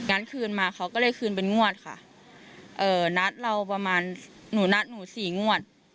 คืนมาเขาก็เลยคืนเป็นงวดค่ะเอ่อนัดเราประมาณหนูนัดหนูสี่งวด